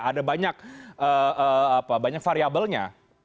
ada banyak variabelnya